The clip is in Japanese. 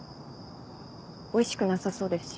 おいしくなさそうですし。